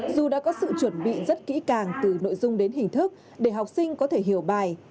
dù đã có sự chuẩn bị rất kỹ càng từ nội dung đến hình thức để học sinh có thể hiểu bài